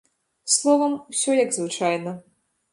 Словам, усё як звычайна.